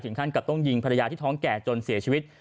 ขั้นกับต้องยิงภรรยาที่ท้องแก่จนเสียชีวิต